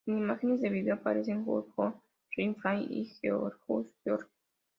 En imágenes de vídeo aparecen Hulk Hogan, Ric Flair y Gorgeous George.